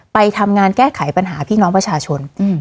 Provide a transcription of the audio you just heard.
ไปทำงานแก้ไขปัญหาพี่น้องประชาชน